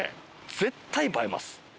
絶対映えます。